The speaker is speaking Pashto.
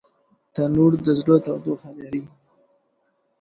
تنور د زړه تودوخه لري